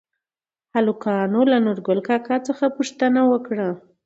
هلکانو له نورګل کاکا څخه پوښتنه وکړه؟